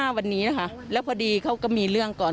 วันนี้นะคะแล้วพอดีเขาก็มีเรื่องก่อน